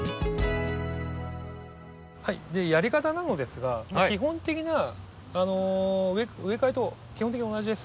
はいやり方なのですが基本的な植え替えと基本的に同じです。